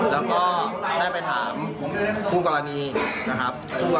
แล้วก็ได้ไปถามคู่กรณีนะครับ